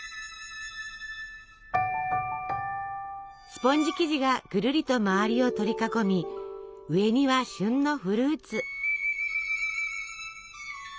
スポンジ生地がぐるりと周りを取り囲み上には旬のフルーツ。